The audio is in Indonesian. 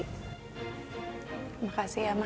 terima kasih ya ma